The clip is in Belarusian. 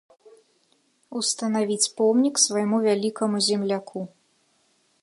Устанавіць помнік свайму вялікаму земляку.